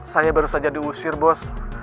saya baru saja diusir bos